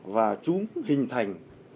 và chúng hình thành